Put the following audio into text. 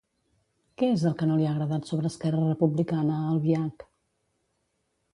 Què és el que no li ha agradat sobre Esquerra Republicana a Albiach?